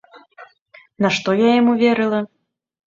Нашто я яму верыла?